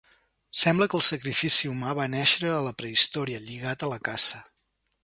Sembla que el sacrifici humà va néixer a la prehistòria, lligat a la caça.